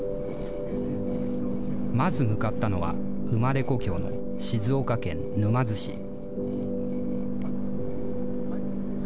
まず向かったのは、生まれ故郷の静岡県沼津市。